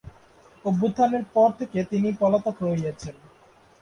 অভ্যুত্থানের পর থেকে তিনি পলাতক রয়েছেন।